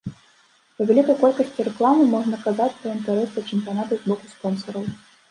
Па вялікай колькасці рэкламы можна казаць пра інтарэс да чэмпіянату з боку спонсараў.